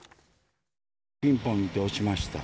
ピンポンって押しました。